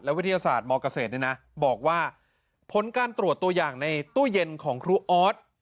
วิทยาศาสตร์มเกษตรบอกว่าผลการตรวจตัวอย่างในตู้เย็นของครูออส